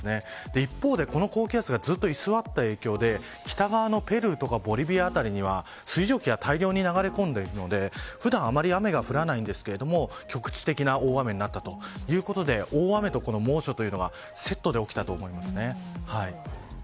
一方でこの高気圧がずっと居座った影響で北側のペルーやボリビア辺りには水蒸気が大量に流れ込んでいるので普段、あまり雨が降らないんですけど局地的な大雨になったということで大雨と猛暑がセットで起きたと思います。